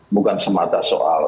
bukan semata soal